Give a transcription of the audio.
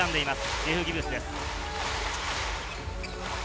ジェフ・ギブスです。